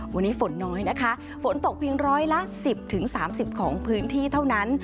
วันนี้ฝนน้อยนะคะฝนตกเพียงร้อยละ๑๐๓๐ของพื้นที่เท่านั้น